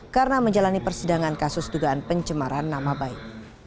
karena menjalani persidangan kasus dugaan pencemaran nama baik